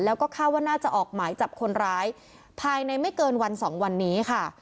แล้วก็คาดว่าน่าจะออกหมายจับคนร้ายภายในไม่เกินวันสองวันนี้ค่ะ